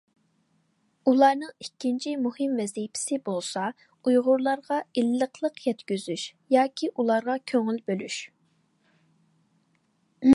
ئۇلارنىڭ ئىككىنچى مۇھىم ۋەزىپىسى بولسا، ئۇيغۇرلارغا «ئىللىقلىق يەتكۈزۈش» ياكى ئۇلارغا كۆڭۈل بۆلۈش .